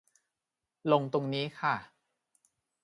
ลงตรงนี้ค่ะ